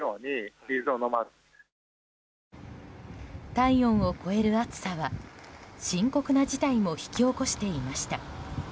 体温を超える暑さは深刻な事態も引き起こしていました。